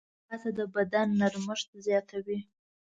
ځغاسته د بدن نرمښت زیاتوي